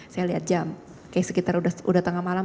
saya lihat jam kayak sekitar udah tengah malam